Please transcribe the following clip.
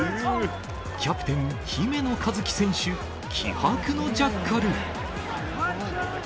キャプテン、姫野和樹選手、気迫のジャッカル。